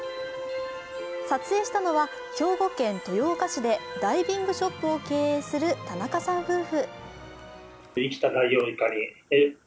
撮影したのは、兵庫県豊岡市でダイビングショップを経営する田中さん夫婦。